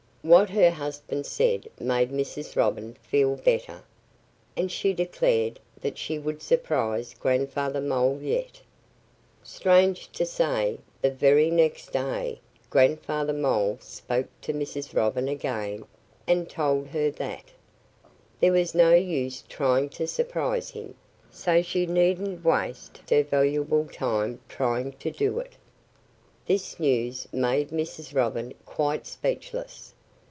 What her husband said made Mrs. Robin feel better. And she declared that she would surprise Grandfather Mole yet. Strange to say, the very next day Grandfather Mole spoke to Mrs. Robin again and told her that "there was no use trying to surprise him, so she needn't waste her valuable time trying to do it." This news made Mrs. Robin quite speechless.